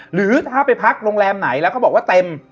หรือถ้าไปพักโรงแรมไหนแล้วเขาบอกว่าเต็ม